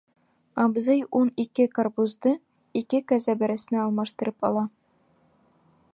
— Абзый ун ике ҡарбузды ике кәзә бәрәсенә алыштырып ала.